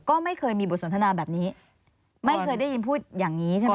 ก็ไม่เคยมีบทสนทนาแบบนี้ไม่เคยได้ยินพูดอย่างนี้ใช่ไหม